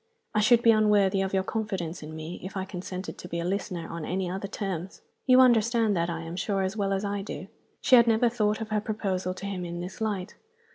I should be unworthy of your confidence in me if I consented to be a listener on any other terms. You understand that, I am sure, as well as I do." She had never thought of her proposal to him in this light.